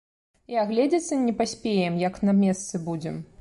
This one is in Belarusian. І агледзецца не паспеем, як на месцы будзем!